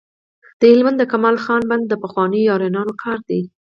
د هلمند د کمال خان بند د پخوانیو آرینو کار دی